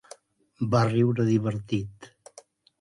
Va riure divertit.